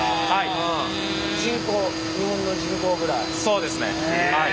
そうですねはい。